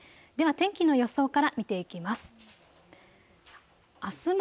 では天気の予想から見ていきます。